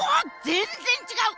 全然違う！